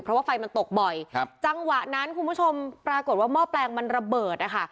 เพราะว่าไฟมันตกบ่อยครับจังหวะนั้นคุณผู้ชมปรากฏว่าหม้อแปลงมันระเบิดนะคะ